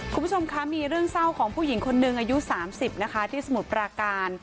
คุณผู้ชมคะมีเรื่องเศร้าของผู้หญิงคนหนึ่งอายุ๓๐นะคะที่สมุทรปราการ